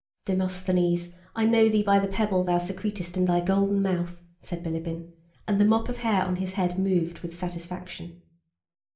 "Demosthenes, I know thee by the pebble thou secretest in thy golden mouth!" said Bilíbin, and the mop of hair on his head moved with satisfaction.